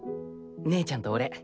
姉ちゃんと俺。